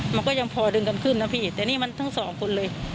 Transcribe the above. มันก็ยังพอดึงกันขึ้นนะพี่แต่นี่มันทั้งสองคนเลย